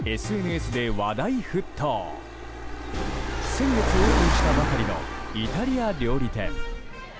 先月オープンしたばかりのイタリア料理店。